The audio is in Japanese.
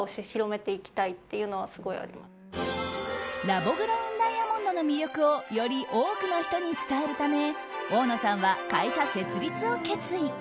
ラボグロウンダイヤモンドの魅力をより多くの人に伝えるため大野さんは会社設立を決意。